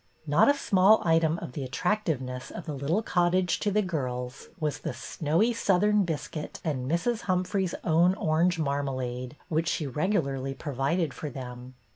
Not a small item of the attractiveness of the little cottage to the girls was the snowy Southern biscuit and Mrs. Humphrey's own orange marmalade, which she regularly provided for them.